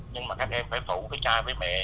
nhưng mà các em phải phụ với cha với mẹ